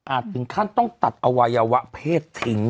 อาจถึงขั้นต้องตัดโรหะอวัยวะเพศทิ้งอะ